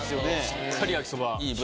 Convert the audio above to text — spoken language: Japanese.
しっかり焼きそば。